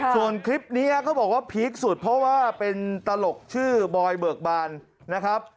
ส่วนคลิปนี้เขาบอกว่าพีคสุดเพราะว่าเป็นตลกชื่อบอยเบิกบานนะครับ